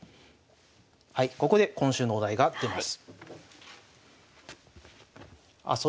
はいここで今週のお題が出ます。